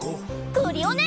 クリオネ！